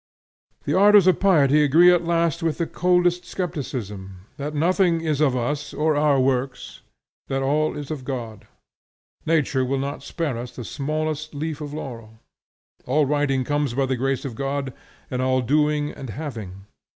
The ardors of piety agree at last with the coldest skepticism, that nothing is of us or our works, that all is of God. Nature will not spare us the smallest leaf of laurel. All writing comes by the grace of God, and all doing and having.